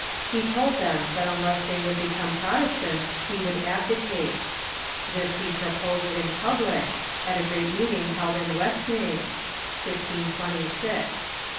He told them that unless they would become Protestants he would abdicate. This he proposed in public, at a great meeting held in West naes (1526).